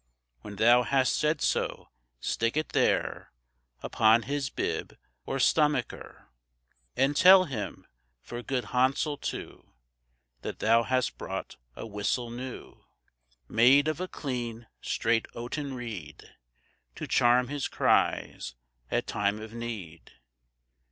When thou hast said so, stick it there Upon His bib, or stomacher; And tell Him, for good handsel[A] too, That thou hast brought a whistle new, Made of a clean straight oaten reed, To charm his cries at time of need.